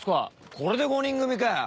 これで５人組かよ！